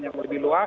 yang lebih luas